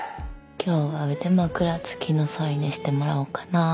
今日は腕枕付きの添い寝してもらおうかなあ。